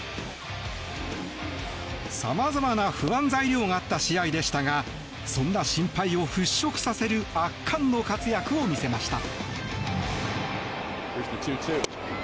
様々な不安材料があった試合でしたがそんな心配を払しょくさせる圧巻の活躍を見せました。